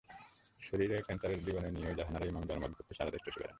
শরীরে ক্যানসারের জীবাণু নিয়েও জাহানারা ইমাম জনমত গড়তে সারা দেশ চষে বেড়ান।